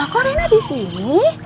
kok rena di sini